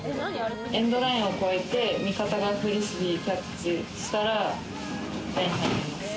エンドラインを越えて味方がフリスビー、キャッチしたら１点入ります。